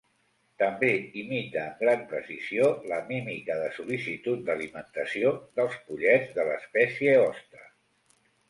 També imita amb gran precisió la mímica de sol·licitud d'alimentació dels pollets de l'espècie hoste.